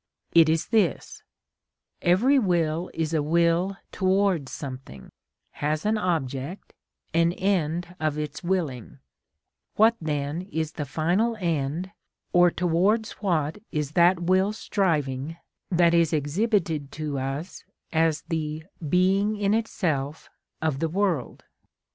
It is this: Every will is a will towards something, has an object, an end of its willing; what then is the final end, or towards what is that will striving that is exhibited to us as the being in itself of the world?